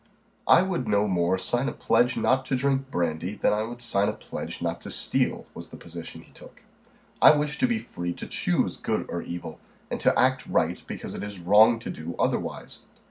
"I would no more sign a pledge not to drink brandy than I would sign a pledge not to steal," was the position he took. "I wish to be free to choose good or evil, and to act right because it is wrong to do otherwise.